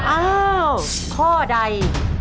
อ้าวข้อใด